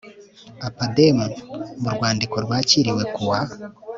A P AD E M mu rwandiko rwakiriwe kuwa